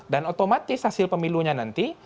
dan otomatis hasil pemilunya nanti